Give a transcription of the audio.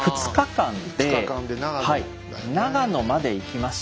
２日間で長野まで行きました。